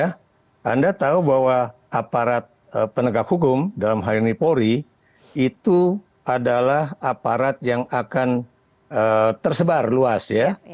karena anda tahu bahwa aparat penegak hukum dalam hal ini polri itu adalah aparat yang akan tersebar luas ya